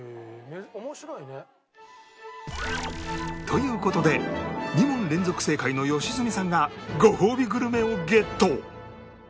という事で２問連続正解の良純さんがごほうびグルメをゲット！